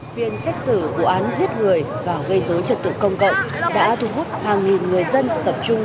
phiên xét xử vụ án giết người và gây dối trật tự công cộng đã thu hút hàng nghìn người dân tập trung